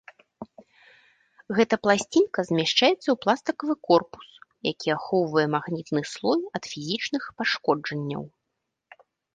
Гэта пласцінка змяшчаецца ў пластыкавы корпус, які ахоўвае магнітны слой ад фізічных пашкоджанняў.